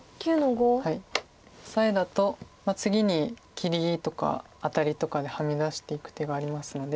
オサエだと次に切りとかアタリとかでハネ出していく手がありますので。